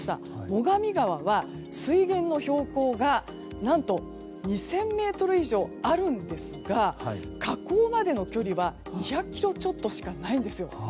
最上川は、水源の標高が何と２０００ｍ以上あるんですが河口までの距離は２００ｋｍちょっとしかないんです。